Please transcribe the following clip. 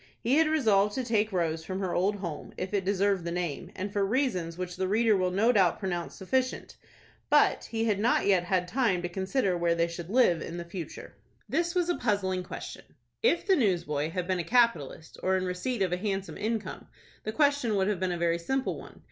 He had resolved to take Rose from her old home, if it deserved the name, and for reasons which the reader will no doubt pronounce sufficient; but he had not yet had time to consider where they should live in future. This was a puzzling question. If the newsboy had been a capitalist, or in receipt of a handsome income, the question would have been a very simple one.